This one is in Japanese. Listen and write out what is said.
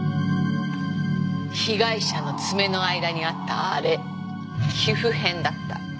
被害者の爪の間にあったあれ皮膚片だった。